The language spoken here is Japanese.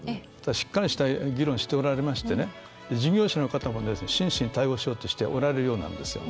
しっかりした議論しておられまして事業者の方もしんしに対応しようとしておられるようなんですよ。